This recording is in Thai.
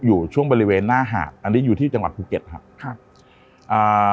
อยู่ช่วงบริเวณหน้าหาดอันนี้อยู่ที่จังหวัดภูเก็ตครับครับอ่า